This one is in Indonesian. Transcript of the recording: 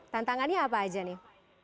tantangannya apa aja nih